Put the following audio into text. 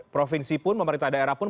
provinsi pun pemerintah daerah pun